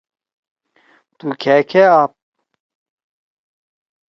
تُو کھأکأ آپ؟